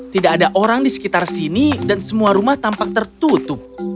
tidak ada orang di sekitar sini dan semua rumah tampak tertutup